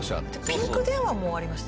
ピンク電話もありましたね。